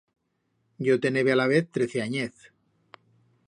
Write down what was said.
Yo tenebe alavez trece anyez.